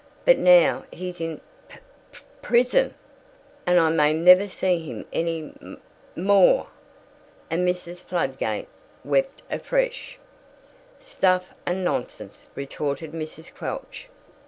But now he's in p p prison, and I may never see him any m mo more." And Mrs. Fladgate wept afresh. "Stuff and nonsense!" retorted Mrs. Quelch.